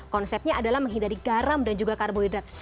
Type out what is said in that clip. konsepnya adalah menghindari garam dan juga karbohidrat